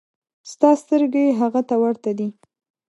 ستا سترګې هغه ته ورته دي.